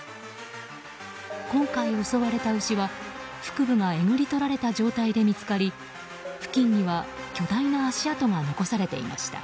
今回襲われた牛は、腹部がえぐり取られた状態で見つかり付近には巨大な足跡が残されていました。